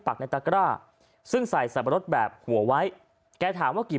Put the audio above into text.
ในตะกร้าซึ่งใส่สับปะรดแบบหัวไว้แกถามว่ากี่